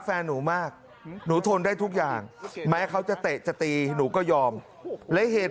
เลือดไหลออกมาเพียบเลย